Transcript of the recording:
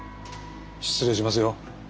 失礼しますよ。